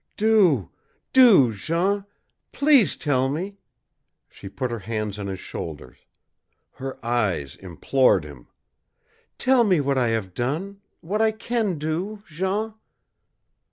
"Do DO, Jean! Please tell me!" She put her hands on his shoulders. Her eyes implored him. "Tell me what I have done what I can do, Jean!"